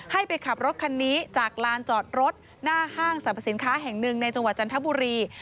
ให้ไปขับรถคันนี้จากลานจอดรถหน้าห้างสรรพสินค้าแห่งหนึ่งในจังหวัดจันทบุรี